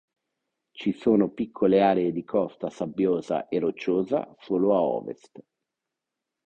Ci sono piccole aree di costa sabbiosa e rocciosa solo a ovest.